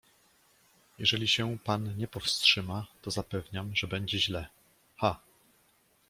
"Jeżeli się pan nie powstrzyma, to zapewniam, że będzie źle... Ha!"